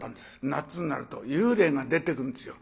夏になると幽霊が出てくるんですよ。